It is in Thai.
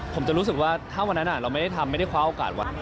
ผมจะรู้สึกว่าถ้าวันนั้นเราไม่ได้ทำไม่ได้คว้าโอกาสว่ะ